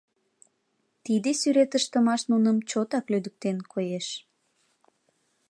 Тиде сӱрет ыштымаш нуным чотак лӱдыктен коеш!